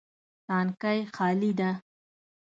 تانکی خالي ده